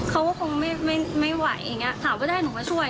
เขาก็คงไม่ไหวอย่างนี้ถามว่าได้หนูก็ช่วย